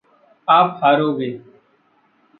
आप हारोगे।